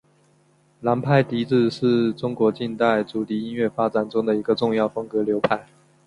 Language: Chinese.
南派笛子是中国近代竹笛音乐发展中的一个重要风格流派。